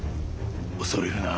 恐れるな。